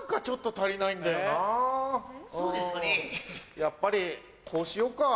やっぱりこうしようか。